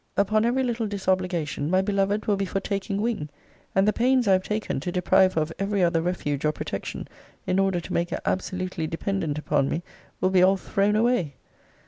Upon every little disobligations my beloved will be for taking wing; and the pains I have taken to deprive her of every other refuge or protection, in order to make her absolutely dependent upon me, will be all thrown away.